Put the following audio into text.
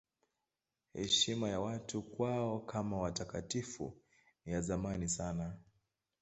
Heshima ya watu kwao kama watakatifu ni ya zamani sana.